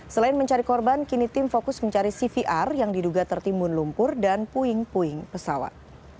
selain mencari korban kini tim fokus mencari cvr yang diduga tertimbun lumpur dan puing puing pesawat